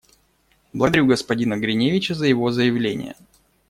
Благодарю господина Гриневича за его заявление.